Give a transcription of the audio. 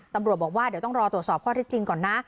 ตำรวจบอกว่าเดี๋ยวต้องรอตรวจสอบข้อที่จริงก่อนนะ